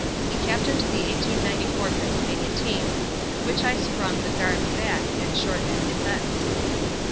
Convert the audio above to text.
He captained the 1894 Pennsylvania team with which I sprung the 'guards back' and 'short end defense.'